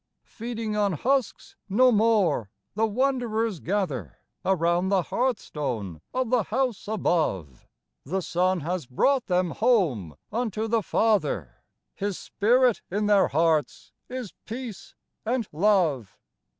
Feeding on husks no more, the wanderers gather Around the hearthstone of the House above : 12 EASTER GLEAMS The Son has brought them home unto the Father ; His Spirit in their hearts is peace and love.